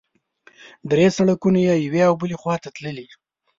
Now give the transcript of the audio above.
درې سړکونه یوې او بلې خوا ته تللي.